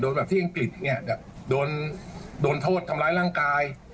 แบบที่อังกฤษเนี่ยโดนโทษทำร้ายร่างกาย